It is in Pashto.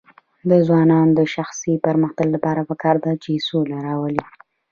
د ځوانانو د شخصي پرمختګ لپاره پکار ده چې سوله راوړي.